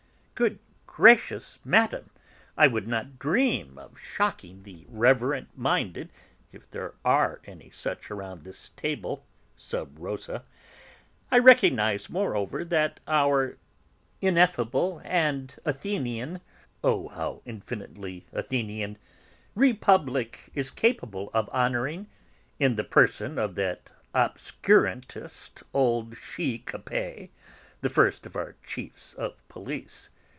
"Good gracious, Madame, I would not dream of shocking the reverent minded, if there are any such around this table, sub rosa... I recognise, moreover, that our ineffable and Athenian oh, how infinitely Athenian Republic is capable of honouring, in the person of that obscurantist old she Capet, the first of our chiefs of police.